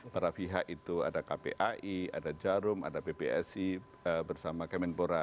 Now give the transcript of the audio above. para pihak itu ada kpai ada jarum ada pbsi bersama kemenpora